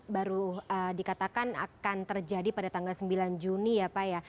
baru dikatakan akan terjadi pada tanggal sembilan juni ya pak ya